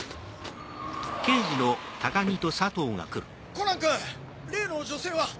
コナンくん例の女性は？